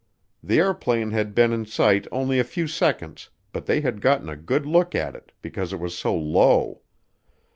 The airplane had been in sight only a few seconds but they had gotten a good look at it because it was so low.